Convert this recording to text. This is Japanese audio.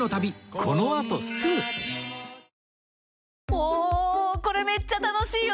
もうこれめっちゃ楽しいよね。